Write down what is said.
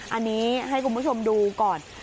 อันนี้ให้คุณผู้ชมดูก่อน